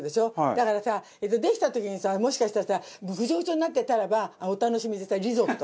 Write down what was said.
だからさできた時にさもしかしたらさグチョグチョになってたらばお楽しみでさリゾット。